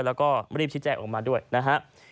แล้วก็รีบที่แจ้งออกมาด้วยนะฮะ